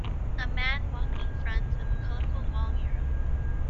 A man walking in front of a colorful wall mural.